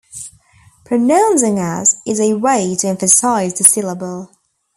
Pronouncing as is a way to emphasise the syllable.